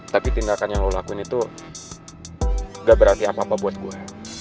tapi tindakan yang lo lakuin itu gak berarti apa apa buat gue